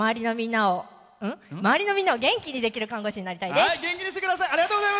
周りのみんなを元気にできる看護士になりたいです！